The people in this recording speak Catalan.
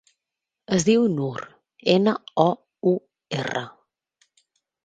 Es diu Nour: ena, o, u, erra.